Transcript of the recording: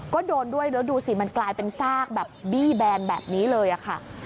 ก็โดนด้วยแล้วดูสิมันกลายเป็นซากแบบบี้แบนแบบนี้เลยค่ะ